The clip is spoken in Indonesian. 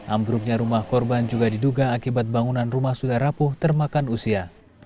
ambruknya rumah korban juga diduga akibat bangunan rumah sudah rapuh termakan usia